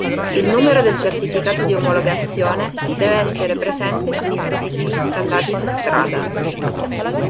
Il numero del certificato di omologazione deve essere presente sui dispositivi installati su strada.